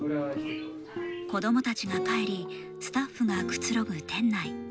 子供たちが帰りスタッフがくつろぐ店内。